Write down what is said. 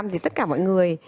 thì tất cả mọi người